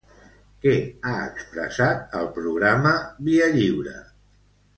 Què ha expressat al programa "Via lliure"?